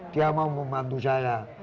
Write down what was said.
dia mau membantu saya